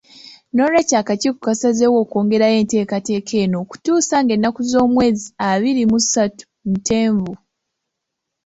N'olwekyo akakiiko kasazeewo okwongerayo enteekateeka eno okutuusa nga ennaku z'omwezi abiri mu satu Ntenvu